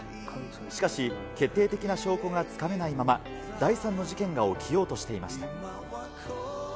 しかし、決定的な証拠がつかめないまま、第３の事件が起きようとしていました。